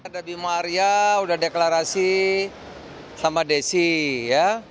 dabi maria udah deklarasi sama desi ya